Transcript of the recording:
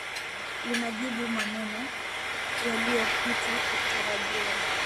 Linajibu maneno yaliyopita kutarajiwa .